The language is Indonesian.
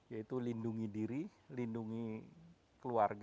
yaitu lindungi diri lindungi keluarga